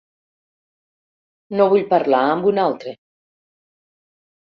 No vull parlar amb un altre.